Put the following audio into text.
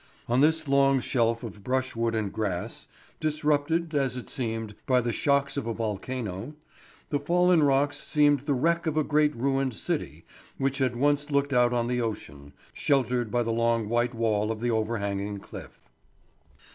On this long shelf of brushwood and grass, disrupted, as it seemed, by the shocks of a volcano, the fallen rocks seemed the wreck of a great ruined city which had once looked out on the ocean, sheltered by the long white wall of the overhanging cliff.